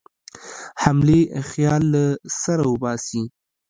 حملې خیال له سره وباسي.